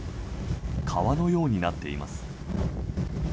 川のようになっています。